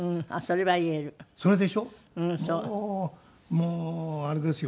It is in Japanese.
もうあれですよ。